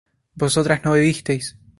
vosotras no bebisteis